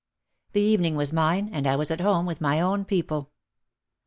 The evening was mine and I was at home with my own people.